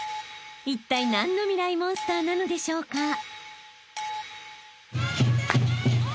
［いったい何のミライ☆モンスターなのでしょうか？］